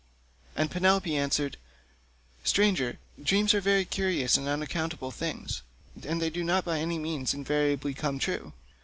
And Penelope answered, "Stranger, dreams are very curious and unaccountable things, and they do not by any means invariably come true.